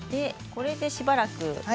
これでしばらく。